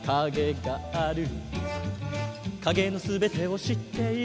「影の全てを知っている」